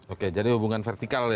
oke jadi hubungan vertikal ya